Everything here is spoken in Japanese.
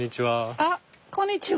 あっこんにちは。